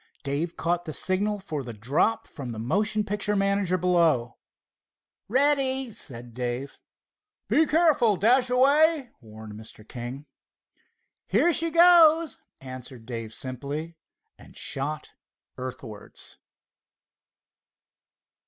Dave caught the signal for the drop from the motion picture manager below. "Ready," said Dave. "Be careful, Dashaway," warned Mr. King. "Here she goes," answered Dave simply, and shot earthwards.